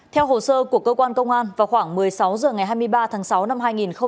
theo hồ sơ của cơ quan công an vào khoảng một mươi sáu h ngày hai mươi ba tháng sáu năm hai nghìn hai mươi ba